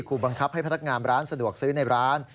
บังคับให้พนักงานร้านสะดวกซื้อในร้าน